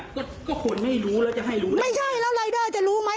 ก็ก็คนไม่รู้แล้วจะให้รู้เลยไม่ใช่แล้วรายเดอร์จะรู้ไหม